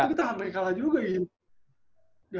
itu kita hampir kalah juga gitu